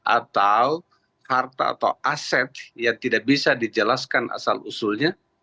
atau harta atau aset yang tidak bisa dijelaskan asal usulnya